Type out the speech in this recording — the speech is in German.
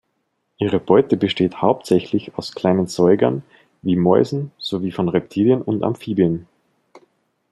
Ihre Beute besteht hauptsächlich aus kleinen Säugern wie Mäusen sowie von Reptilien und Amphibien.